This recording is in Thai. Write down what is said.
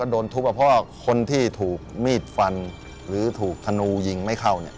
โดนทุบทุบหลังอย่างนี้ฮะ